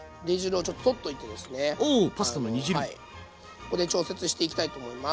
ここで調節していきたいと思います。